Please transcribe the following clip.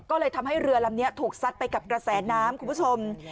ก็เลยทำให้เรือลำนี้ถูกซัดไปกับกระแสน้ำคุณผู้ชม